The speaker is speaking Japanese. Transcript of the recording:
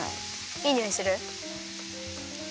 いいにおいする？